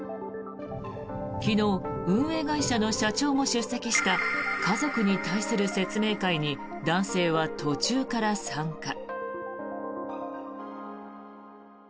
昨日、運営会社の社長も出席した家族に対する説明会に男性は途中から参加。